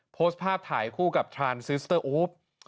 โพสต์ภาพถ่ายคู่กับทรานซิสเตอร์อูฟ